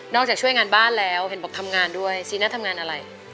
จากช่วยงานบ้านแล้วเห็นบอกทำงานด้วยซีน่าทำงานอะไร